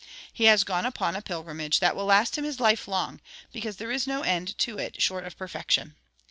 He has gone upon a pilgrimage that will last him his life long, because there is no end to it short of perfection.